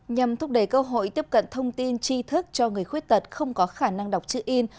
nhằm thúc đẩy cơ hội tiếp cận thông tin chi thức cho người khuyết tật không có khả năng đọc chữ in